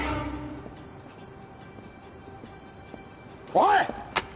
おい！